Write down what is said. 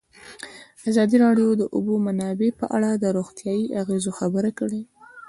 ازادي راډیو د د اوبو منابع په اړه د روغتیایي اغېزو خبره کړې.